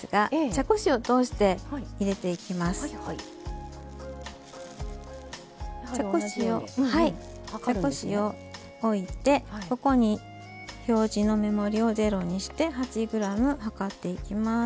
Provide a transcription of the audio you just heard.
茶こしを茶こしを置いてここに表示の目盛りをゼロにして８ｇ量っていきます。